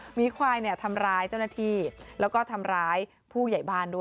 หมีควายเนี่ยทำร้ายเจ้าหน้าที่แล้วก็ทำร้ายผู้ใหญ่บ้านด้วย